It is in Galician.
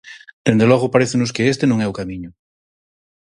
Dende logo, parécenos que este non é o camiño.